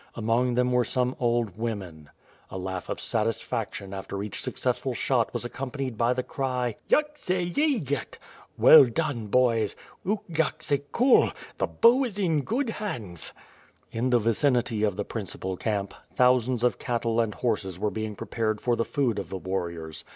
Among them were some old women. A laugh of satisfaction after each successful shot was accompanied by the cry: "Jaksze iegit — Well done, boys! Uk jakse kol! — the bow is in good hands!'' In the vicinity of the principal camp, thousands of cattle and horses were being prepared for the food of the warriors.